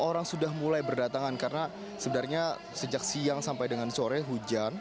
saya sudah banyak lagi orang yang datang karena sebenarnya sejak siang sampai dengan sore hujan